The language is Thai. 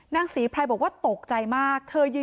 นางศรีพรายดาเสียยุ๕๑ปี